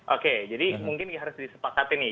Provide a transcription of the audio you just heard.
oke jadi mungkin harus disepakati nih